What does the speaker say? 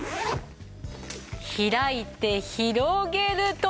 開いて広げるとはい！